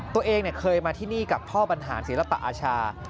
ตัวเองเคยมาที่นี่กับพ่อบรรหารศิลปะอาชา